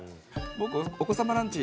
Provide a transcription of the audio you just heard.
「ぼくお子様ランチ！」